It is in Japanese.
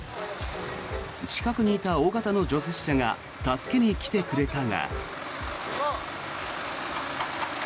近くにいた大型の除雪車が助けに来てくれたが。